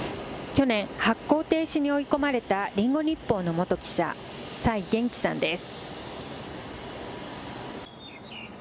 去年、発行停止に追い込まれたリンゴ日報の元記者、蔡元貴さんです。